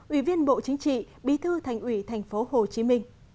ủy viên bộ chính trị bí thư thành ủy tp hcm